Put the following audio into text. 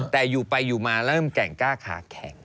แต่อยู่ไปอยู่มาเริ่มแก่งกล้าขาแข็ง